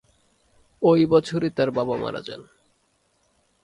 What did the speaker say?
ওই বছরই তার বাবা মারা যান।